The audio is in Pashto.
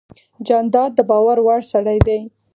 جانداد د باور وړ سړی دی.